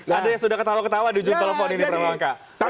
ada yang sudah ketawa ketawa di ujung telepon ini pramangka